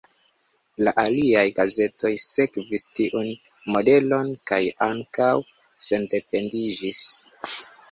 La aliaj gazetoj sekvis tiun modelon kaj ankaŭ sendependiĝis.